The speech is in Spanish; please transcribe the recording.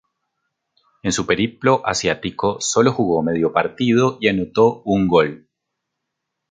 En su periplo asiático solo jugó medio partido y anotó un gol.